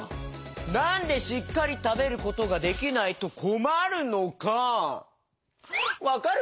なんでしっかりたべることができないとこまるのかわかる？